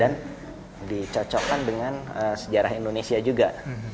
dan dicocokkan dengan sejarah indonesia juga